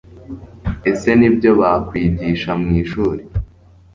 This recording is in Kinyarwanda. Ese Nibyo bakwigisha mwishuri